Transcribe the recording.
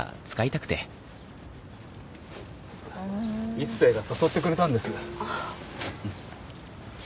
一星が誘ってくれたんです。